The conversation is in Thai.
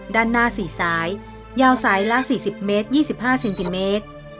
ด้านหน้าสี่สายยาวสายละสี่สิบเมตรยี่สิบห้าเซนติเมตร